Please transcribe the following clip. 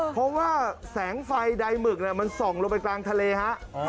เพราะว่าแสงไฟใดหมึกมันส่องลงไปกลางทะเลฮะ